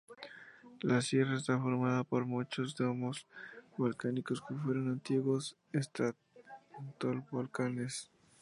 La sierra está formada por muchos domos volcánicos que fueron antiguos estratovolcanes.